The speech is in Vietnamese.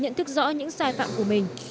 nhận thức rõ những sai phạm của mình